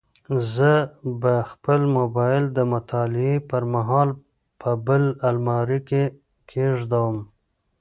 زه به خپل موبایل د مطالعې پر مهال په بل المارۍ کې کېږدم.